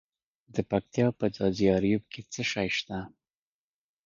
د پکتیا په ځاځي اریوب کې څه شی شته؟